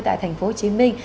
tại thành phố hồ chí minh